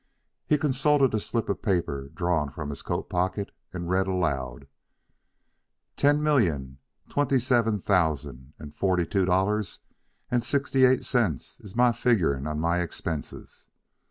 He consulted a slip of paper, drawn from his coat pocket, and read aloud: "Ten million twenty seven thousand and forty two dollars and sixty eight cents is my figurin' on my expenses.